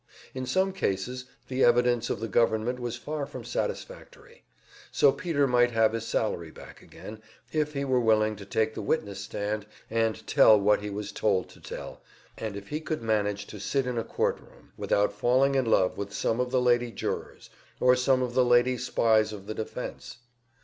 In some cases the evidence of the government was far from satisfactory; so Peter might have his salary back again, if he were willing to take the witness stand and tell what he was told to tell, and if he could manage to sit in a courtroom without falling in love with some of the lady jurors, or some of the lady spies of the defense.